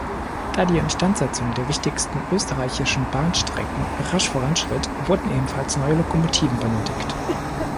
Da die Instandsetzung der wichtigsten österreichischen Bahnstrecken rasch voranschritt, wurden ebenfalls neue Lokomotiven benötigt.